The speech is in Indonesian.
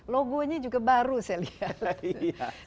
logonya juga baru saya lihat